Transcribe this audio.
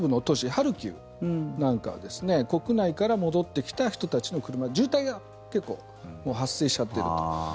ハルキウなんかは国内から戻ってきた人たちの車渋滞が結構発生しちゃってると。